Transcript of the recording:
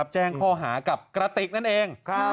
แจ้งข้อหากับกระติกนั่นเอง